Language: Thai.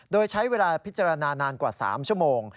โดยใช้เวลาพิจารณานานกว่า๓ชั่วโมง